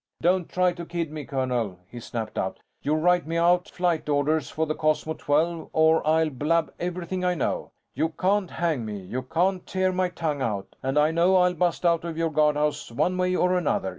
"Don't try to kid me, colonel," he snapped out. "You write me out flight orders for the Cosmos XII, or I'll blab everything I know. You can't hang me, you can't tear my tongue out and I know I'll bust out of your guardhouse one way or another!